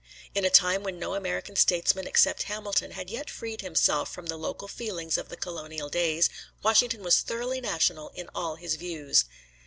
In a time when no American statesman except Hamilton had yet freed himself from the local feelings of the colonial days, Washington was thoroughly national in all his views.